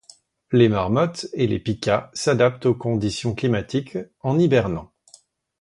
Les marmottes et les pikas s’adaptent aux conditions climatiques en hibernant.